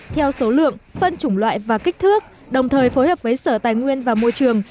theo số lượng phân chủng loại và kích thước đồng thời phối hợp với sở tài nguyên và môi trường